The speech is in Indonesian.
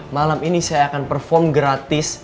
malam ini saya akan perform gratis